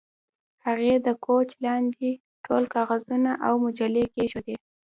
هغې د کوچ لاندې ټول کاغذونه او مجلې کیښودې